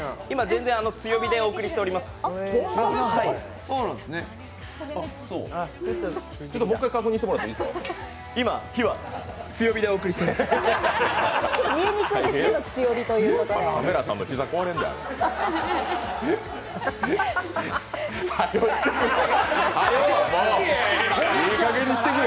今、全然強火でお送りしております。